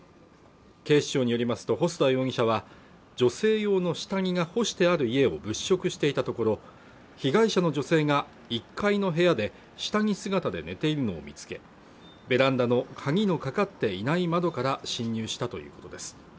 警視庁によりますと細田容疑者は女性用の下着が干してある家を物色していたところ被害者の女性が１階の部屋で下着姿で寝ているのを見つけベランダの鍵のかかっていない窓から侵入したということです